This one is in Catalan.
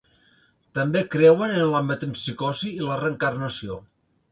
També creuen en la metempsicosi i la reencarnació.